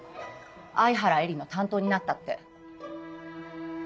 「愛原絵理の担当になった」って。